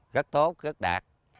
rất tốt rất đạt